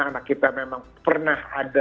anak kita memang pernah ada